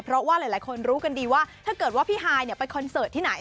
เพราะว่าหลายคนรู้กันดีว่าถ้าเกิดว่าพี่ฮายไปคอนเสิร์ตที่ไหน